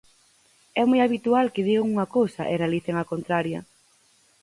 É moi habitual que digan unha cousa e realicen a contraria.